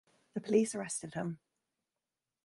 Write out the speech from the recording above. The police arrested him.